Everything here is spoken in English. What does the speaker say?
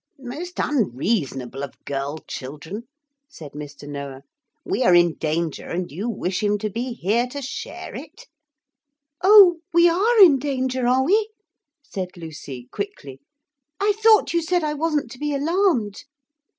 'Most unreasonable of girl children,' said Mr. Noah; 'we are in danger and you wish him to be here to share it?' 'Oh, we are in danger, are we?' said Lucy quickly. 'I thought you said I wasn't to be alarmed.'